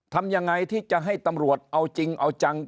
ทำยังไงที่จะให้ตำรวจเอาจริงเอาจัง